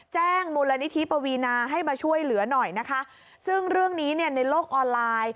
แจ้งมูลนิธิปวีนาให้มาช่วยเหลือหน่อยนะคะซึ่งเรื่องนี้เนี่ยในโลกออนไลน์